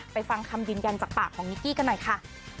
ฟังคำยืนยันจากปากของนิกกี้กันหน่อยค่ะ